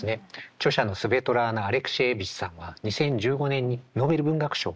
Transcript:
著者のスヴェトラーナ・アレクシエーヴィチさんは２０１５年にノーベル文学賞を受賞しています。